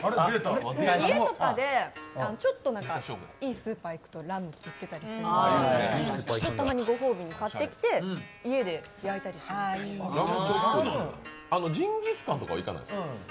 家とかでちょっといいスーパー行くとラム売ってたりするのでたまにご褒美に買ってきてジンギスカンとかは行かないですか？